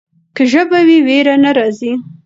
که ژبه وي ویره نه راځي.